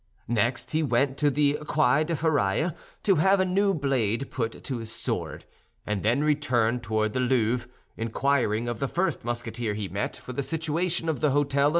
Next he went to the Quai de Feraille to have a new blade put to his sword, and then returned toward the Louvre, inquiring of the first Musketeer he met for the situation of the hôtel of M.